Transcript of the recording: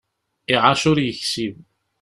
Iɛac ur yeksib.